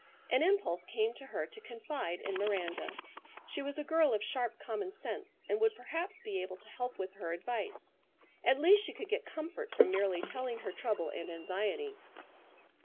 An impulse came to her to confide in Miranda. She was a girl of sharp common sense, and would perhaps be able to help with her advice. At least she could get comfort from merely telling her trouble and anxiety.